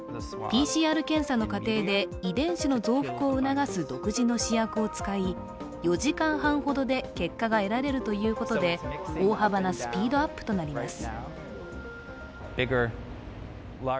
ＰＣＲ検査の過程で遺伝子の増幅を促す独自の試薬を使い、４時間半ほどで結果が得られるということで大幅なスピードアップとなります。